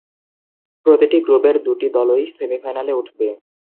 প্রতিটি গ্রুপের দুটি দলই সেমিফাইনালে উঠবে।